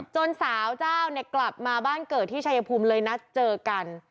จนสาวเจ้าเนี่ยกลับมาบ้านเกิดที่ชายภูมิเลยนัดเจอกัน